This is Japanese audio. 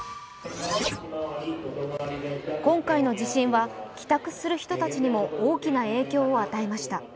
今回の地震は帰宅する人たちにも大きな影響を与えました。